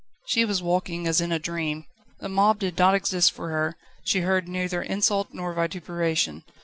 She was walking as in a dream. The mob did not exist for her; she heard neither insult nor vituperation.